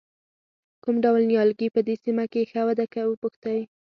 کوم ډول نیالګي په دې سیمه کې ښه وده کوي وپوښتئ.